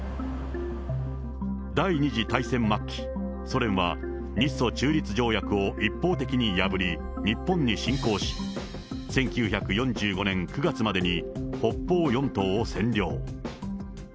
第２次大戦末期、ソ連は日ソ中立条約を一方的に破り、日本に侵攻し、１９４５年９月までに北方四島を占領。